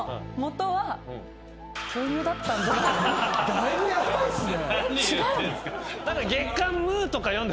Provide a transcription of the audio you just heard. だいぶヤバいっすね。